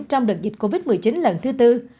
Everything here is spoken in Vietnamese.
trong đợt dịch covid một mươi chín lần thứ tư